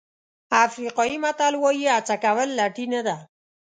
افریقایي متل وایي هڅه کول لټي نه ده.